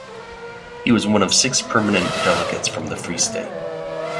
He was one of six permanent delegates from the Free State.